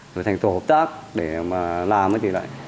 rồi thành tổ hợp tác để mà làm thì lại